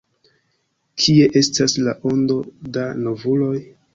Kie estas la ondo da novuloj?